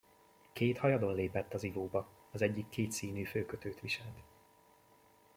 Két hajadon lépett az ivóba, az egyik kétszínű főkötőt viselt.